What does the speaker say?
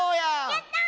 やった！